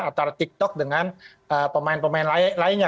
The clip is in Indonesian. antara tiktok dengan pemain pemain lainnya